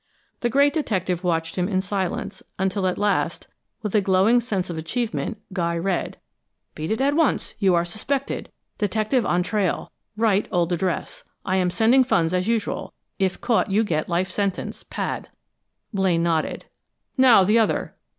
The great detective watched him in silence, until at last, with a glowing sense of achievement, Guy read: "'Beat it at once. You are suspected. Detective on trail. Rite old address. I am sending funds as usual. If caught you get life sentence. Pad.'" Blaine nodded. "Now, the other."